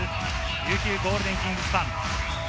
琉球ゴールデンキングスファン。